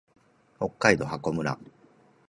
北海道泊村